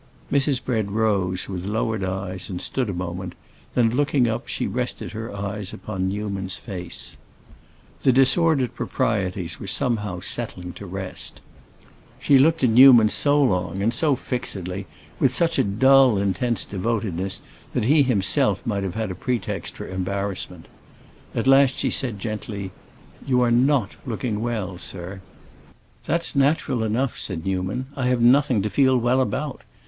Mrs. Bread rose, with lowered eyes, and stood a moment; then, looking up, she rested her eyes upon Newman's face. The disordered proprieties were somehow settling to rest. She looked at Newman so long and so fixedly, with such a dull, intense devotedness, that he himself might have had a pretext for embarrassment. At last she said gently, "You are not looking well, sir." "That's natural enough," said Newman. "I have nothing to feel well about.